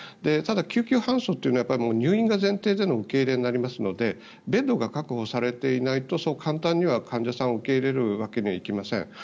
ただ、救急搬送というのは入院が前提での受け入れになりますのでベッドが確保されていないとそう簡単には患者さんを受け入れるわけにはいきません。